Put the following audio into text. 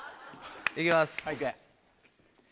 いきます。